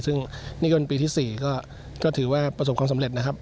ซึ่งนี่ก็เป็นปีที่๔ก็ถือว่าประสบความสำเร็จนะครับ